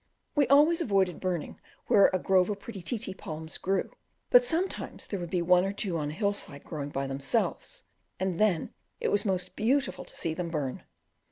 We always avoided burning where a grove of the pretty Ti ti palms grew; but sometimes there would be one or two on a hill side growing by themselves, and then it was most beautiful to see them burn.